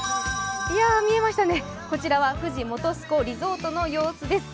見えましたね、こちらは富士本栖湖リゾートの様子です。